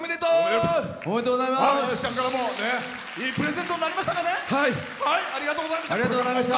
いいプレゼントになりましたかね。